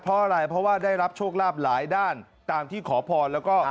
เพราะอะไรเพราะว่าได้รับโชคลาภหลายด้านตามที่ขอพรแล้วก็